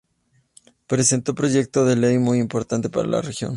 Presentó proyectos de Ley muy importantes para la región.